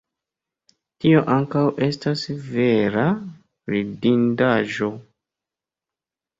Tio ankaŭ estas vera ridindaĵo.